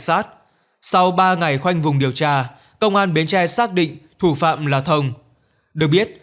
sát sau ba ngày khoanh vùng điều tra công an bến tre xác định thủ phạm là thông được biết